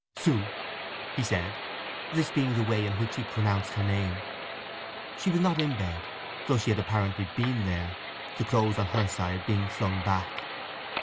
"Soo!" he said (this being the way in which he pronounced her name). She was not in the bed, though she had apparently been there—the clothes on her side being flung back.